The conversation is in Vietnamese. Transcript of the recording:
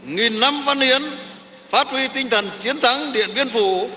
nghìn năm văn hiến phát huy tinh thần chiến thắng điện biên phủ